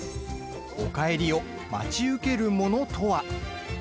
おかえりを待ち受けるものとは？